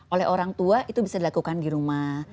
oleh orang tua itu bisa dilakukan di rumah